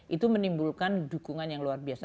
itu menimbulkan dukungan yang luar biasa